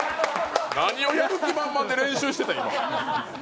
何を行く気満々で練習してんの。